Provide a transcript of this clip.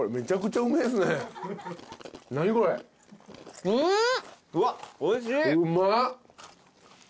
うまっ！